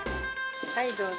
はい、どうぞ。